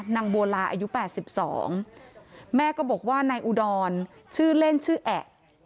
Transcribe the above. นางบัวลาอายุ๘๒แม่ก็บอกว่านายอุดรชื่อเล่นชื่อแอะ